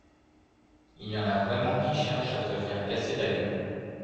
Il y en a vraiment qui cherchent à se faire casser la gueule